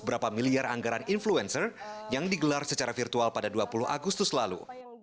berapa miliar anggaran influencer yang digelar secara virtual pada dua puluh agustus lalu